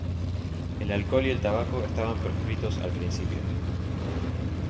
El alcohol y el tabaco estaban proscritos al principio.